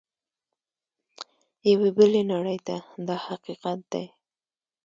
یوې بلې نړۍ ته دا حقیقت دی.